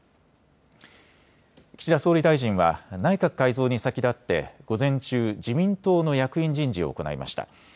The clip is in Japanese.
岸田総理大臣は内閣改造に先立って、午前中、自民党の役員人事を行いました。